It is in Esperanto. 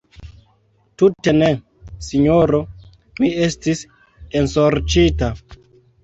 Tute ne, sinjoro: mi estis ensorĉita.